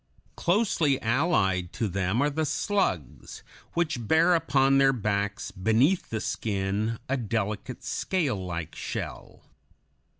Closely allied to them are the slugs, which bear upon their backs, beneath the skin, a delicate, scale like shell.